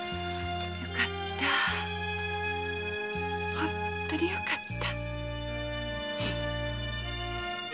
本当によかった。